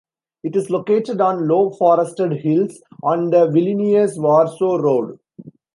It is located on low forested hills, on the Vilnius-Warsaw road.